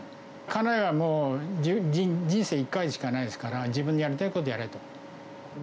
家内はもう、人生１回しかないですから、自分のやりたいことやれと。